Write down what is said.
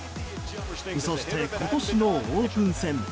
そして、今年のオープン戦。